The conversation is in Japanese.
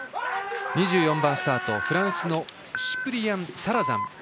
２４番スタート、フランスのシプリアン・サラザン。